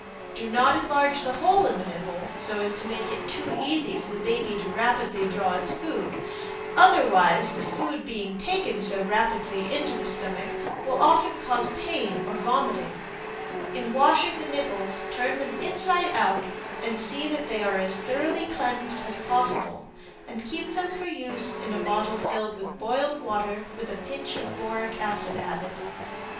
Do not enlarge the hole in the nipple, so as to make it too easy for the baby to draw its food, otherwise the food being taken so rapidly into the stomach will often cause pain or vomiting. In washing the nipples turn them inside out and see that they are as thoroughly cleaned as possible, and keep them for use in a bottle filled with boiled water with a pinch of boric acid added.